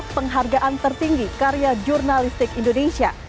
penghargaan tertinggi karya jurnalistik indonesia